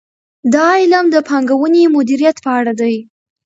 دا علم د پانګونې مدیریت په اړه دی.